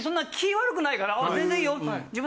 悪くないから「全然いいよ」。